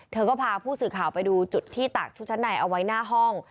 เธอก็พาผู้สื่อข่าวไปดูจุดที่ตากชุดชั้นในเอาไว้หน้าห้อง